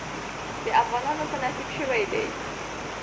د افغانانو په نصيب نوى شوې.